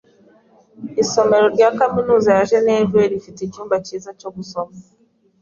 Isomero rya kaminuza ya Jeneve rifite icyumba cyiza cyo gusoma.